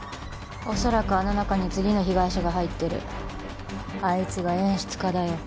おそらくあの中に次の被害者が入ってるあいつが演出家だよ